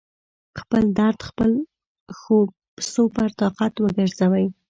خپل درد خپل سُوپر طاقت وګرځوئ